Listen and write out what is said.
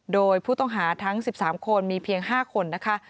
โดยผู้ต้องหาทั้ง๑๓คนมีเพียง๕คนนะคะ